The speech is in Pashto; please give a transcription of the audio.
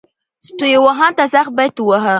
سټیو وا هند ته سخت بیټ وواهه.